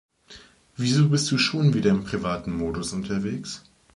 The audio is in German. Wieso bist du schon wieder im privaten Modus unterwegs?